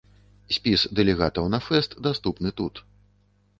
Спіс дэлегатаў на фэст даступны тут.